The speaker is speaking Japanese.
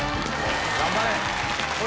頑張れ！